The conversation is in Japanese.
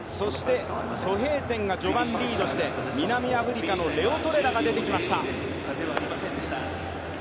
ソ・ヘイテンが序盤リードして南アフリカのレオトレラが出てきました。